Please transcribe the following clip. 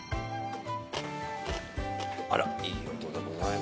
あらっいい音でございます。